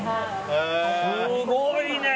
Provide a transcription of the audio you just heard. すごいね。